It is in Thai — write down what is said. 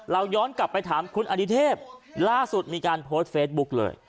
ย้อนกลับไปถามคุณอดิเทพล่าสุดมีการโพสต์เฟซบุ๊กเลย